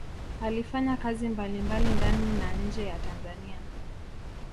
Alifanya kazi mbalimbali ndani na nje ya Tanzania